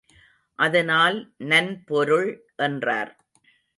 அதனால் நன்பொருள் என்றார்.